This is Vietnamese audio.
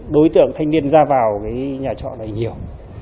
đối tượng thanh niên ra vào cái nhà trọ này nhiều